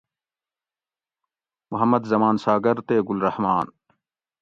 محمد زمان ساگر تے گل رحمان